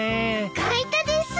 描いたです！